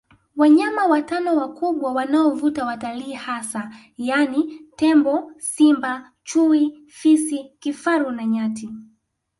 Wanyama watano wakubwa wanaovuta watalii hasa yaani tembo Simba Chui Fisi Kifaru na Nyati